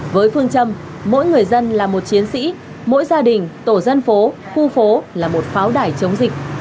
với phương châm mỗi người dân là một chiến sĩ mỗi gia đình tổ dân phố khu phố là một pháo đài chống dịch